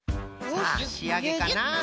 さあしあげかな？